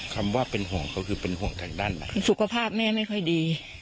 คำว่าเป็นห่วงเขาคือเป็นห่วงทางด้านไหนสุขภาพแม่ไม่ค่อยดี